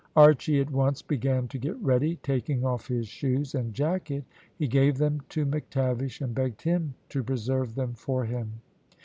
Archy at once began to get ready. Taking off his shoes and jacket, he gave them to McTavish, and begged him to preserve them for him.